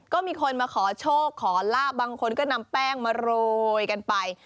ก็มีคนมาขอโชคขอลาบบางคนก็นำแป้งมาโรยกันไป